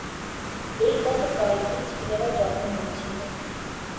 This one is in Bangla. এই গত কয়েকদিন ছেলেরা যত্ন নিচ্ছিল।